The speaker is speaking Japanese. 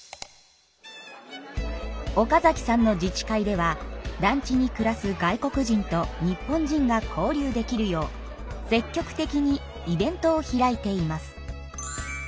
岡さんの自治会では団地に暮らす外国人と日本人が交流できるよう積極的にイベントを開いています。